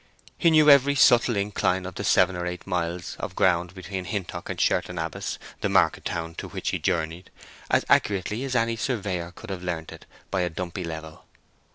He knew every subtle incline of the seven or eight miles of ground between Hintock and Sherton Abbas—the market town to which he journeyed—as accurately as any surveyor could have learned it by a Dumpy level.